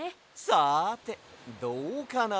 さてどうかな。